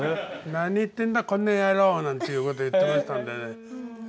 「何言ってんだこの野郎！」なんていうこと言ってましたんでね。